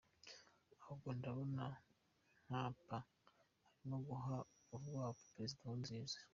Ahubwo ndabona Mkapa arimo guha urwaho Perezida Nkurunziza.